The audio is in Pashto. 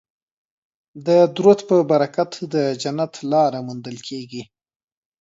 د درود په برکت د جنت لاره موندل کیږي